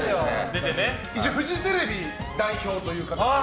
一応フジテレビ代表という形で。